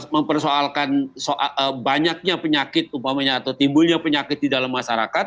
mempersoalkan banyaknya penyakit umpamanya atau timbulnya penyakit di dalam masyarakat